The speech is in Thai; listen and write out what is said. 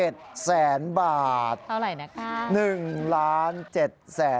เท่าไรนะคะ